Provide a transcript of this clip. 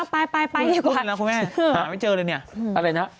ไปดีกว่าคุณแม่หาไม่เจอเลยนี่อะไรนะ